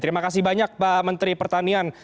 terima kasih banyak pak menteri pertanian